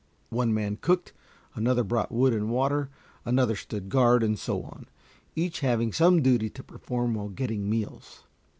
One man cooked, another brought wood and water, another stood guard, and so on, each having some duty to perform while getting meals.